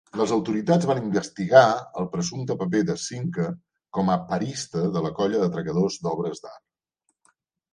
Les autoritats van investigar el presumpte paper de Cinque com a perista de la colla d'atracadors d'obres d'art.